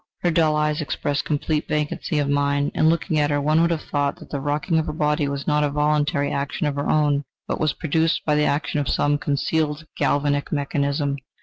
Her dull eyes expressed complete vacancy of mind, and, looking at her, one would have thought that the rocking of her body was not a voluntary action of her own, but was produced by the action of some concealed galvanic mechanism.